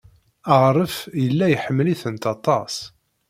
Aɣref yella iḥemmel-itent aṭas.